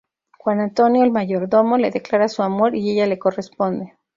Juan Antonio, el mayordomo, le declara su amor y ella le corresponde.